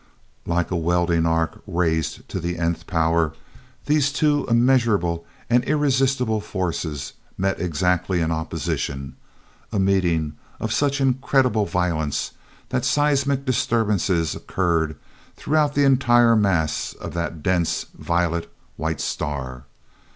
Like a welding arc raised to the nth power these two immeasurable and irresistible forces met exactly in opposition a meeting of such incredible violence that seismic disturbances occurred throughout the entire mass of that dense, violet white star.